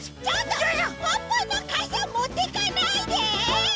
ポッポのかさもってかないで！